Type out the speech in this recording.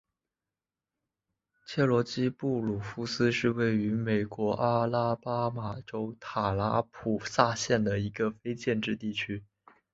切罗基布鲁夫斯是位于美国阿拉巴马州塔拉普萨县的一个非建制地区。